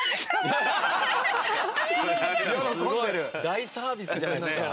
大サービスじゃないですか。